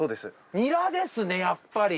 ニラですねやっぱり。